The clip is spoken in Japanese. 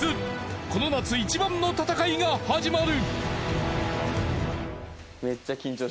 この夏いちばんの戦いが始まる。